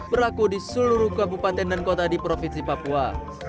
berlaku di seluruh kabupaten dan kota di provinsi papua